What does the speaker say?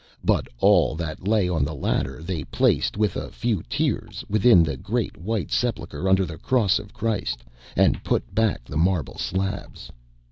But all that lay on the ladder they placed, with a few tears, within the great white sepulchre under the Cross of Christ, and put back the marble slabs.